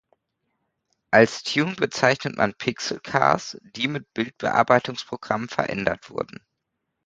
Als Tune bezeichnet man Pixel cars, die mit Bildbearbeitungsprogrammen verändert wurden.